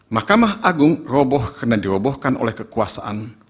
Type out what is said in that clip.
mahkamah agung roboh karena dirobohkan oleh kekuasaan